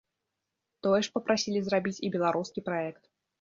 Тое ж папрасілі зрабіць і беларускі праект.